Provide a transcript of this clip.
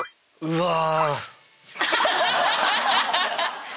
うわ！